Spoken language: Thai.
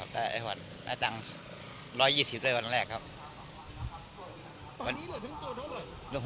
ได้๑๒๐บาทวันแรกครับ